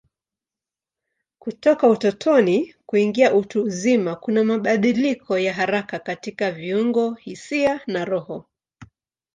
Kutoka utotoni kuingia utu uzima kuna mabadiliko ya haraka katika viungo, hisia na roho.